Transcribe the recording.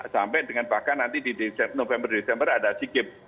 sampai dengan bahkan nanti di november desember ada sikip